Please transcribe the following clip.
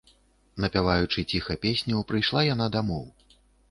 Напяваючы ціха песню, прыйшла яна дамоў.